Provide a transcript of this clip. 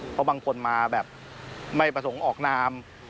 เพราะบางคนมาแบบไม่ประสงค์ออกนาม